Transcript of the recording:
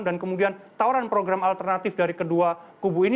dan kemudian tawaran program alternatif dari kedua kubu ini